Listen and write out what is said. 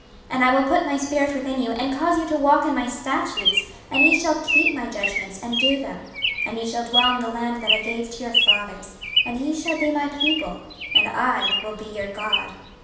26:036:027 And I will put my spirit within you, and cause you to walk in my statutes, and ye shall keep my judgments, and do them. 26:036:028 And ye shall dwell in the land that I gave to your fathers; and ye shall be my people, and I will be your God.